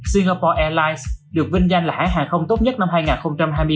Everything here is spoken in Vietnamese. singapore airlines được vinh danh là hãng hàng không tốt nhất năm hai nghìn hai mươi bốn